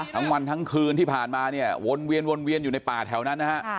ทั้งวันทั้งคืนที่ผ่านมาเนี่ยวนเวียนวนเวียนอยู่ในป่าแถวนั้นนะฮะ